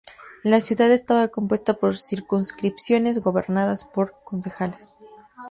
La Ciudad estaba compuesta por circunscripciones gobernadas por concejales.